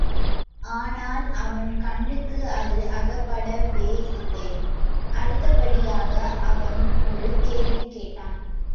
ஆனால், அவன் கண்ணுக்கு அது அகப்படவேயில்லை அடுத்தபடியாக அவன் ஒரு கேள்வி கேட்டான்.